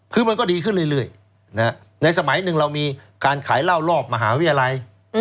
คือมันก็ดีขึ้นเรื่อยในสมัยหนึ่งเรามีการขายเหล้ารอบมหาวิทยาลัย